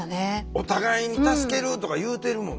お互いに助けるとか言うてるもんね。